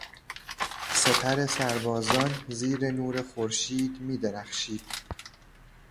سپر سربازان زیر نور خورشید میدرخشید.